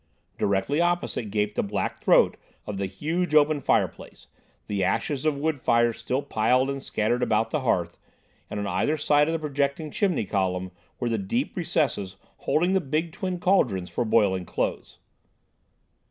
Directly opposite gaped the black throat of the huge open fireplace, the ashes of wood fires still piled and scattered about the hearth, and on either side of the projecting chimney column were the deep recesses holding the big twin cauldrons for boiling clothes.